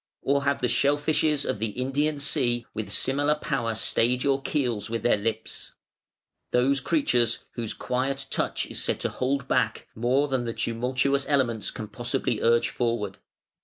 Or have the shell fishes of the Indian Sea with similar power stayed your keels with their lips: those creatures whose quiet touch is said to hold back, more than the tumultuous elements can possibly urge forward?